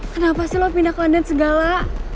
kenapa sih lo pindah ke london segala